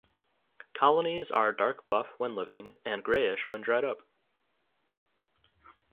Colonies are dark buff when living and greyish when dried up.